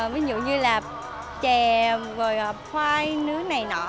ví dụ như là chè rồi khoai nướng này nọ